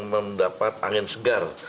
mendapat angin segar